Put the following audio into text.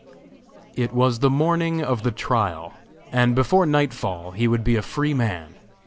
It was the morning of the trial, and before nightfall he would be a free man.